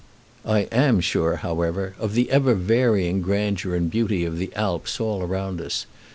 I am sure, however, of the ever varying grandeur and beauty of the Alps all round us.